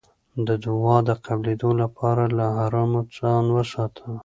د دعا د قبلېدو لپاره له حرامو ځان وساته.